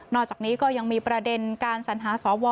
อกจากนี้ก็ยังมีประเด็นการสัญหาสว